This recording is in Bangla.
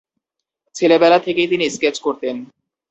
ছেলেবেলা থেকেই তিনি স্কেচ করতেন।